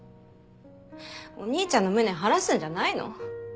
お兄ちゃんの無念晴らすんじゃないの？